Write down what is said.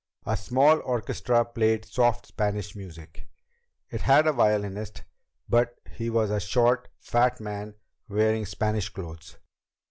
A small orchestra played soft Spanish music. It had a violinist, but he was a short, fat man wearing Spanish clothes.